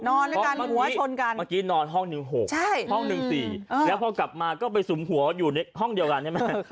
นอนกันหัวชนกันเมื่อกี้นอนห้องหนึ่งหกห้องหนึ่งสี่แล้วพอกลับมาก็ไปสุมหัวอยู่ในห้องเดียวกันใช่ไหม